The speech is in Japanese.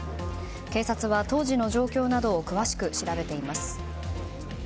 警察は当時の状況などを詳しく調べています。